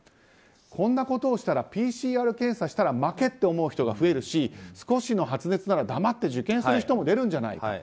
こんなことしたらＰＣＲ検査したら負けと思う人が増えるし少しの発熱なら黙って受験する人も出るんじゃないか。